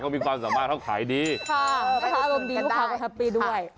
มีความรู้สึกกันได้